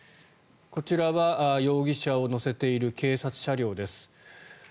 こちらは容疑者を乗せている警察車両です。